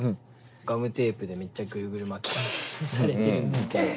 ガムテープでめっちゃグルグル巻きにされてるんですけど。